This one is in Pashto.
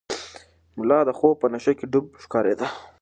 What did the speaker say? ملا د خوب په نشه کې ډوب ښکارېده.